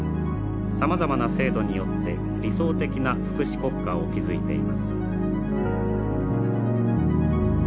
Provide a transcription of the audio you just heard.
さまざまな制度によって理想的な福祉国家を築いています。